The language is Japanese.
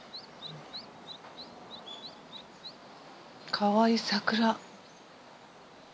かわいい桜。